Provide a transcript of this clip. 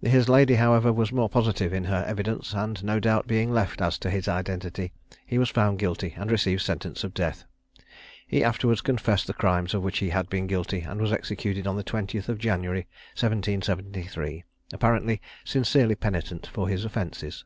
His lady, however, was more positive in her evidence; and no doubt being left as to his identity, he was found guilty and received sentence of death. He afterwards confessed the crimes of which he had been guilty, and was executed on the 20th of January 1773, apparently sincerely penitent for his offences.